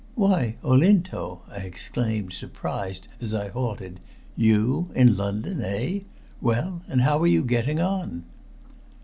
"Why, Olinto!" I exclaimed, surprised, as I halted. "You in London eh? Well, and how are you getting on?"